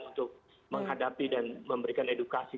untuk menghadapi dan memberikan edukasi